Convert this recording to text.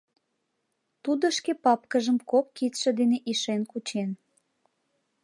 Тудо шке папкыжым кок кидше дене ишен кучен.